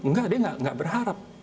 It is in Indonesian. nggak dia nggak berharap